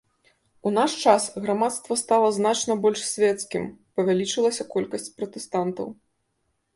У наш час грамадства стала значна больш свецкім, павялічылася колькасць пратэстантаў.